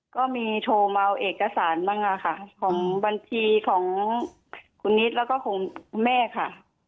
ก็มีโทรมาเอาเอกสารบ้างค่ะของบัญชีของคุณนิดแล้วก็ของแม่ค่ะ